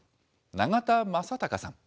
永田正敬さん。